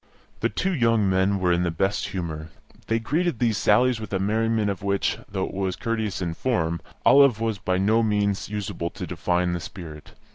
The two young men were in the best humour; they greeted these sallies with a merriment of which, though it was courteous in form, Olive was by no means unable to define the spirit.